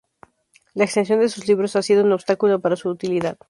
La extensión de sus libros ha sido un obstáculo para su utilidad.